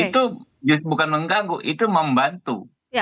itu bukan mengganggu itu membantu